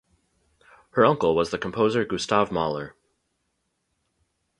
Her uncle was the composer Gustav Mahler.